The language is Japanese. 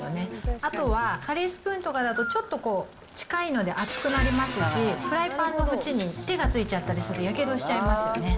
あとはカレースプーンとかだと、ちょっとこう、近いので熱くなりますし、フライパンの縁に手がついちゃったりして、やけどしちゃいますよね。